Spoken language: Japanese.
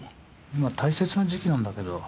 今大切な時期なんだけど。